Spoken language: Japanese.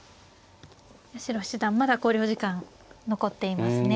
八代七段まだ考慮時間残っていますね。